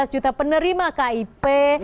lima belas juta penerima kip